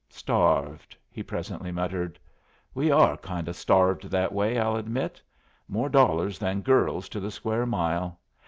"Starved," he presently muttered. "We are kind o' starved that way I'll admit. More dollars than girls to the square mile.